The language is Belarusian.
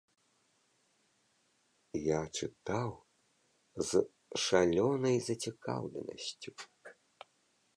Я чытаў з шалёнай зацікаўленасцю.